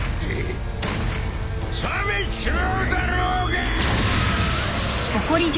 さめちまうだろうがー！